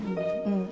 うん。